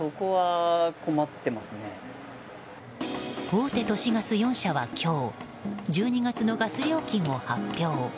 大手都市ガス４社は今日１２月のガス料金を発表。